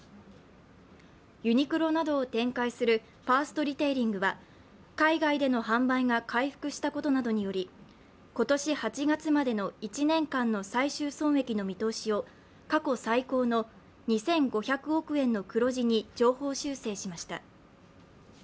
ユニクロなどを展開するファーストリテイリングは海外での販売が回復したことなどにより、今年８月までの１年間の最終損益の見通しを過去最高の２５００億円の黒字に上方修正しました。